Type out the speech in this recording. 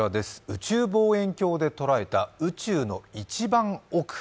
宇宙望遠鏡で捉えた宇宙の一番奥。